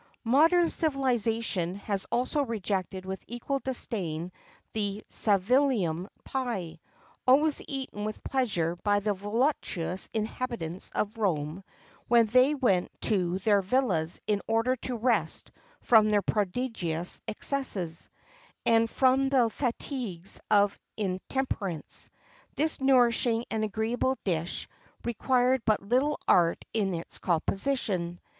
Modern civilization has also rejected with equal disdain the Savillum pie, always eaten with pleasure by the voluptuous inhabitants of Rome when they went to their villas in order to rest from their prodigious excesses, and from the fatigues of intemperance. This nourishing and agreeable dish required but little art in its composition.